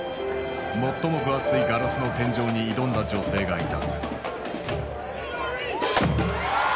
最も分厚いガラスの天井に挑んだ女性がいた。